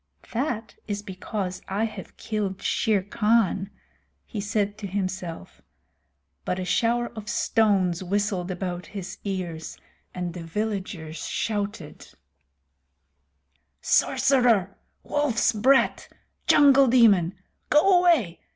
"That is because I have killed Shere Khan," he said to himself. But a shower of stones whistled about his ears, and the villagers shouted: "Sorcerer! Wolf's brat! Jungle demon! Go away!